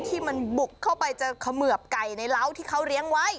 ที่มันบุกเข้าไปจะเขมือบไก่ในเล้าที่เขาเลี้ยงไว้